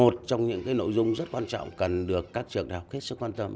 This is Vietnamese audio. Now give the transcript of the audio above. trong những nội dung rất quan trọng cần được các trường đại học kết xúc quan tâm